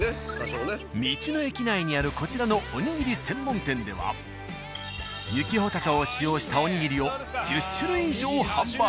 道の駅内にあるこちらのおにぎり専門店では雪ほたかを使用したおにぎりを１０種類以上販売。